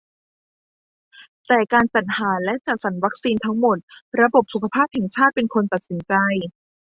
แต่การจัดหาและจัดสรรวัคซีนทั้งหมด ระบบสุขภาพแห่งชาติเป็นคนตัดสินใจ